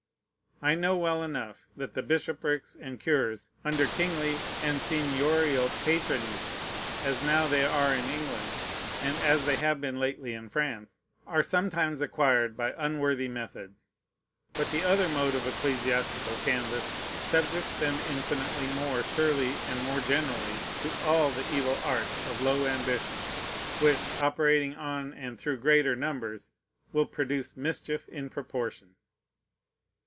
I know well enough that the bishoprics and cures, under kingly and seigniorial patronage, as now they are in England, and as they have been lately in France, are sometimes acquired by unworthy methods; but the other mode of ecclesiastical canvass subjects them infinitely more surely and more generally to all the evil arts of low ambition, which, operating on and through greater numbers, will produce mischief in proportion.